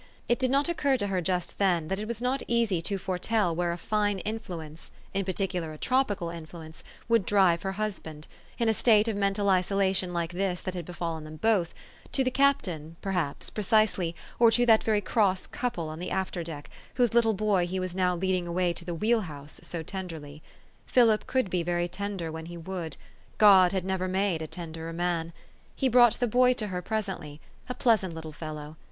It did not occur to her just then that it was not easy to foretell where a fine influence, in particular a tropical influence, would drive her husband in a state of mental isolation' like this that had befallen them both to the cap tain, perhaps, precisely, or to that very cross couple on the after deck, whose little boy he was now lead ing away to the wheel house so tenderly. Philip could be very tender when he would ; God had never made a tenderer man. He brought the boy to her presently, a pleasant little fellow.